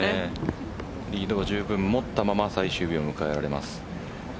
リードを十分持ったまま最終日を迎えられます。